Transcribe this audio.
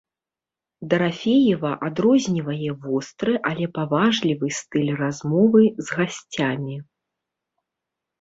Дарафеева адрознівае востры, але паважлівы стыль размовы з гасцямі.